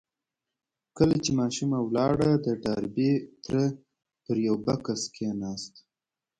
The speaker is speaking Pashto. کله چې ماشومه ولاړه د ډاربي تره پر يوه بکس کېناست.